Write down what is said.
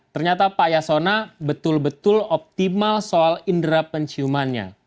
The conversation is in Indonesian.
ternyata pak yasona betul betul optimal soal indera penciumannya